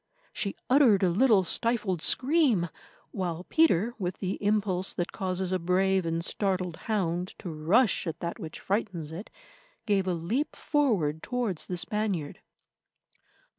She uttered a little stifled scream, while Peter, with the impulse that causes a brave and startled hound to rush at that which frightens it, gave a leap forward towards the Spaniard.